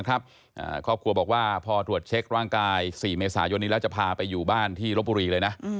ครอบครัวบอกว่าพอตรวจเช็คร่างกาย๔เมษายนนี้แล้วจะพาไปอยู่บ้านที่ลบบุรีเลยนะ